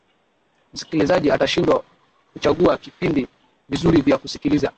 msikilizaji atashindwa kuchagua vipindi vizuri vya kusikiliza